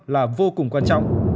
là vô cùng quan trọng